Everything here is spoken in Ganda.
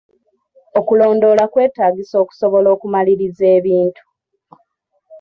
Okulondoola kwetaagisa okusobola okumaliriza ebintu.